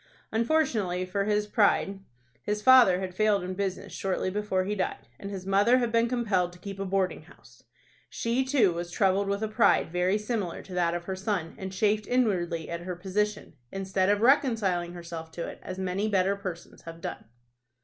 Unfortunately for his pride, his father had failed in business shortly before he died, and his mother had been compelled to keep a boarding house. She, too, was troubled with a pride very similar to that of her son, and chafed inwardly at her position, instead of reconciling herself to it, as many better persons have done.